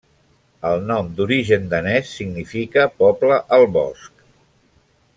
El nom, d'origen danès, significa poble al bosc.